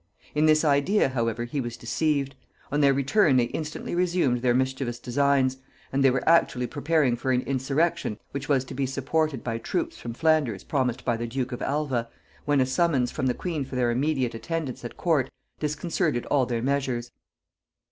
In this idea, however, he was deceived: on their return they instantly resumed their mischievous designs; and they were actually preparing for an insurrection, which was to be supported by troops from Flanders promised by the duke of Alva, when a summons from the queen for their immediate attendance at court disconcerted all their measures.